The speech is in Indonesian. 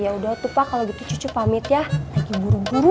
ya udah tuh pak kalau gitu cucu pamit ya lagi buru buru